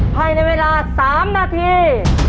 ภายในเวลา๓นาที